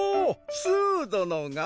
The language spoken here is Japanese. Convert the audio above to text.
スーどのが？